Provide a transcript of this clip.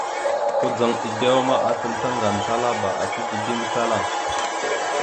Kudzaŋ edewa ma, atal tàŋganatalaba ata dideŋ gatala.